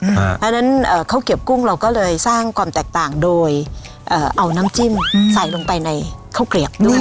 เพราะฉะนั้นข้าวเกียบกุ้งเราก็เลยสร้างความแตกต่างโดยเอาน้ำจิ้มใส่ลงไปในข้าวเกลียบด้วย